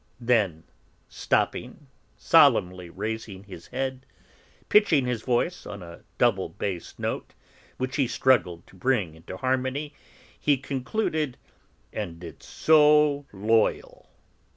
Then stopping, solemnly raising his head, pitching his voice on a double bass note which he struggled to bring into harmony, he concluded, "And it's so loyal!"